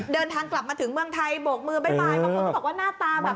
เดินทางกลับมาถึงเมืองไทยบวกมือบ๊ายบาย